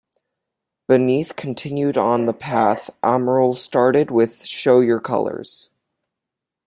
Beneath continued on the path Amoral started with "Show Your Colors".